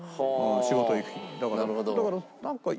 仕事行く日に。